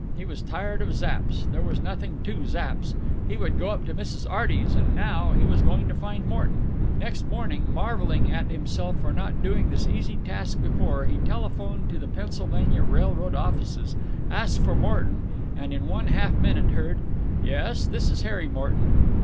He was tired of Zapps. There was nothing to Zapps. He would go up to Mrs. Arty's and now—he was going to find Morton. Next morning, marveling at himself for not having done this easy task before, he telephoned to the Pennsylvania Railroad offices, asked for Morton, and in one half minute heard: "Yes? This is Harry Morton."